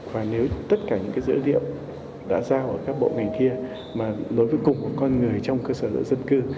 và nếu tất cả những cái dữ liệu đã giao ở các bộ ngành kia mà đối với cục con người trong cơ sở dân cư